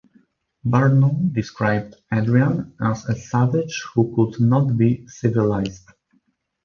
Barnum described Adrian as a savage who could not be civilized.